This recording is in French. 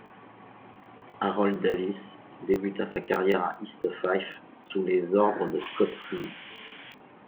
Harold Davis débuta sa carrière à East Fife sous les ordres de Scot Symon.